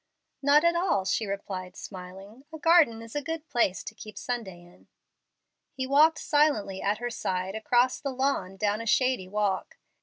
"Not at all," she replied, smiling. "A garden is a good place to keep Sunday in." He walked silently at her side across the lawn down a shady walk.